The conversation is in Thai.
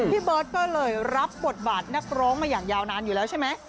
พี่เบิร์ตก็เลยรับบทบาทนักร้องมาอย่างยาวนานอยู่แล้วใช่ไหม